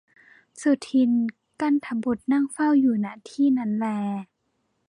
สุทินน์กลันทบุตรนั่งเฝ้าอยู่ ณ ที่นั้นแล